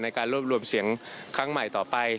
ในการรวบรวมเสียงครั้งใหม่ต่อไป